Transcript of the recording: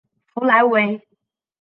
弗莱维。